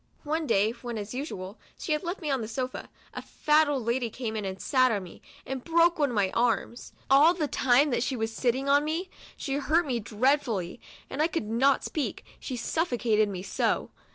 One day, when, as usual, she had left me on the sofa, a fat old lady came in and sat on me, and broke one of my arms. All the time that she "v^as sitting on me, she hurt me dreadfully, and I could not speak, she suffocated me so.